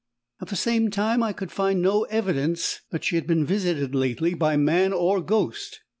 At the same time I could find no evidence that she had been visited lately by man or ghost.